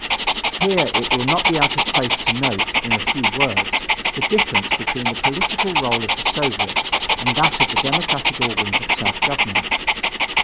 Here it will not be out of place to note, in a few words, the difference between the political role of the Soviets and that of the democratic organs of self government.